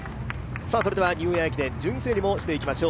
ニューイヤー駅伝、順位整理をしていきましょう。